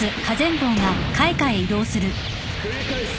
繰り返す。